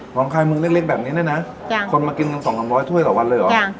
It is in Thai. หนองคลายมึงเล็กแบบนี้นะนะจ้ะคนมากินอยู่สองสามร้อยถ้วยเหล่าวันเลยหรอกจ้ะ